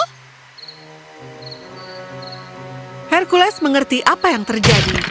hercules mengerti apa yang terjadi